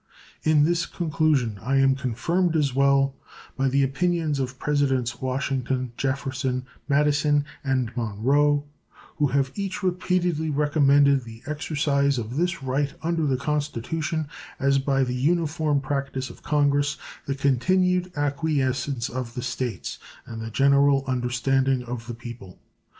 In this conclusion I am confirmed as well by the opinions of Presidents Washington, Jefferson, Madison, and Monroe, who have each repeatedly recommended the exercise of this right under the Constitution, as by the uniform practice of Congress, the continued acquiescence of the States, and the general understanding of the people.